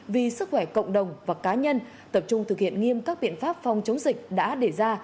vì sức khỏe cộng đồng và cá nhân tập trung thực hiện nghiêm các biện pháp phòng chống dịch đã đề ra